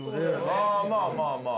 ああまあまあまあまあ。